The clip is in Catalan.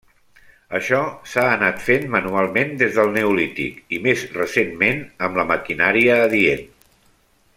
Això s'ha anat fent manualment des del Neolític i més recentment amb la maquinària adient.